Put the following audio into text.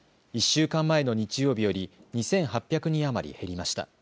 １週間前の日曜日より２８００人余り減りました。